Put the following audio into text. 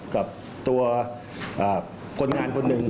กับตัวคนงานคนหนึ่ง